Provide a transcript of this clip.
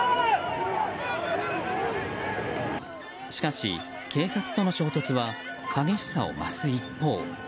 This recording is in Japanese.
しかし、警察との衝突は激しさを増す一方。